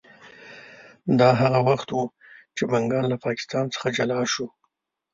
دا هغه وخت و چې بنګال له پاکستان څخه جلا شوی و.